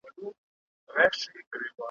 ته یې ونیسه مابین په خپلو داړو ,